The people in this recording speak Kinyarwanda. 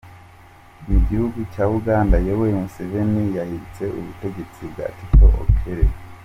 Mu gihugu cya Uganda, Yoweri Museveni yahiritse ubutegetsi bwa Tito Okello.